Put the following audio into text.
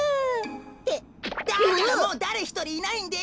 ってだからもうだれひとりいないんです！